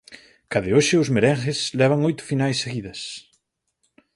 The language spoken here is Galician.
Coa de hoxe os merengues levan oito finais seguidas.